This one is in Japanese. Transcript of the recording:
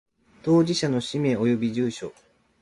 当事者の氏名及び住所